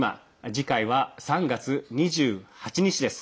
次回は３月２８日です。